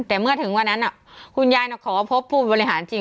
แต่เมื่อถึงวันนั้นคุณยายขอพบผู้บริหารจริง